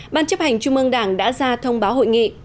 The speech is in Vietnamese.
ban chấp hành chung mương đảng đã ra thông báo hội nghị